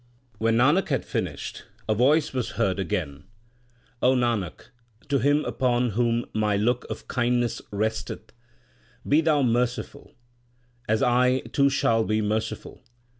When Nanak had finished, a voice was heard again : O Nanak, to him upon whom My look of kindness resteth, be thou merciful, as I too shall be merciful.